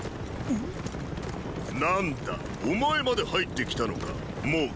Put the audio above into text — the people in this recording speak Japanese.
ん⁉何だお前まで入ってきたのか蒙毅。